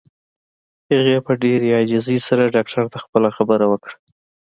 هغې په ډېره عاجزۍ سره ډاکټر ته خپله خبره وکړه.